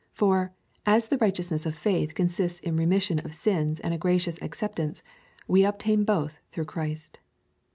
For as the righteousness of faith consists in remission of sins and a gracious acceptance, we obtain both through Christ.